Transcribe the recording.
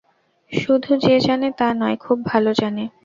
শুধু যে জানে তা নয়-খুব ভালো জানে।